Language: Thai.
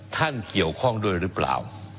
ท่านเกี่ยวข้องด้วยหรือเปล่า